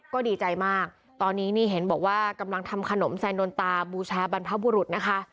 ก็ดีใจมากตอนนี้นี่เห็นบอกว่ากำลังทำขนมแซนนตาบูชาบรรพบุรุษนะคะ